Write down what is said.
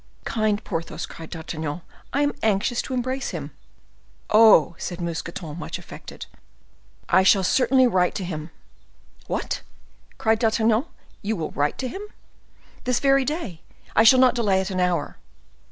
"Kind Porthos!" cried D'Artagnan, "I am anxious to embrace him." "Oh!" said Mousqueton, much affected, "I shall certainly write to him." "What!" cried D'Artagnan, "you will write to him?" "This very day; I shall not delay it an hour."